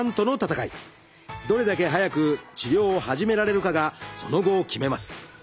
どれだけ早く治療を始められるかがその後を決めます。